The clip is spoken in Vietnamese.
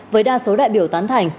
với đa số đại biểu tán thành